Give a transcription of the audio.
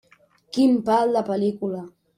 Quin pal de pel·lícula.